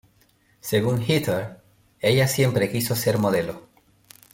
Según Heather, ella siempre quiso ser modelo.